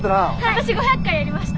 私５００回やりました。